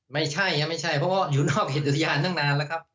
ไม่ใช่เพราะว่าอยู่นอกเขตอุทยานตั้งนานแล้วครับ